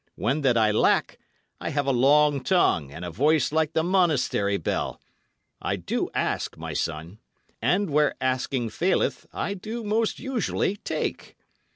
When that I lack, I have a long tongue and a voice like the monastery bell I do ask, my son; and where asking faileth, I do most usually take."